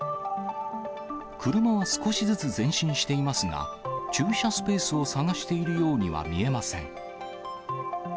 車は少しずつ前進していますが、駐車スペースを探しているようには見えません。